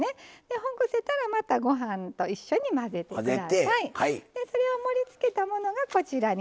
ほぐせたら、またご飯と一緒に混ぜてください。